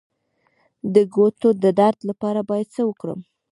د ګوتو د درد لپاره باید څه وکړم؟